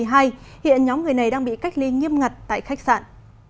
hiện nhóm người này đang bị cách ly nghiêm ngặt tại khách sạn